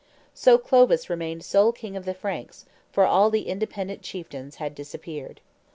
So Clovis remained sole king of the Franks, for all the independent chieftains had disappeared.